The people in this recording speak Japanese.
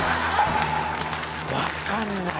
わかんない。